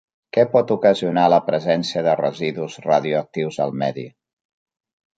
Què pot ocasionar la presència de residus radioactius al medi?